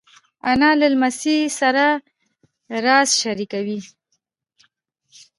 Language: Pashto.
انا له لمسۍ سره راز شریکوي